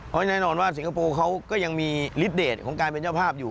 เพราะแน่นอนว่าสิงคโปร์เขาก็ยังมีฤทธเดทของการเป็นเจ้าภาพอยู่